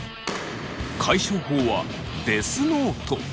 解消法はデスノート！